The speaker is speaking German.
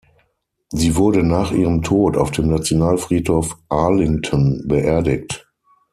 Sie wurde nach ihrem Tod auf dem Nationalfriedhof Arlington beerdigt.